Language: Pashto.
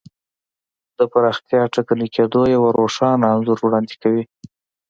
د پراختیا ټکني کېدو یو روښانه انځور وړاندې کوي.